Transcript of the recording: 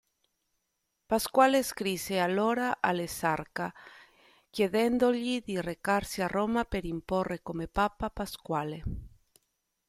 Pasquale scrisse allora all'esarca, chiedendogli di recarsi a Roma per imporre come papa Pasquale.